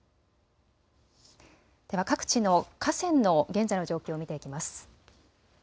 では、各地の河川の現在の状況を見ていきます。